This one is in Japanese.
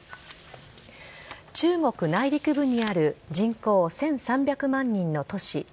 中国内陸部にある人口１３００万人の都市